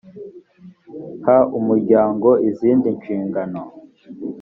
ha umuryango izindi nshingano